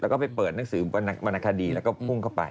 แล้วก็ไปเปิดหนังสือบรรณคดีแล้วก็พุ่งเข้าไป